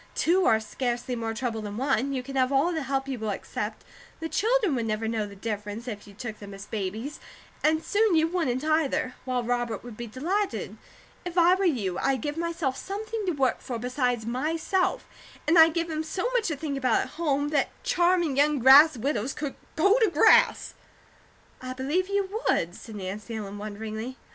Two are scarcely more trouble than one; you can have all the help you will accept; the children would never know the difference, if you took them as babies, and soon you wouldn't either; while Robert would be delighted. If I were you, I'd give myself something to work for besides myself, and I'd give him so much to think about at home, that charming young grass widows could go to grass!" "I believe you would," said Nancy Ellen, wonderingly.